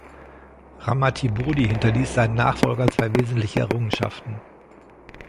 Ramathibodi hinterließ seinen Nachfolgern zwei wesentliche Errungenschaften